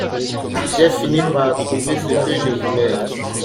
J’ai fini par trouver ce que je voulais.